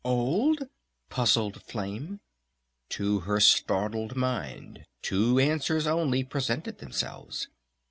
"Old?" puzzled Flame. To her startled mind two answers only presented themselves....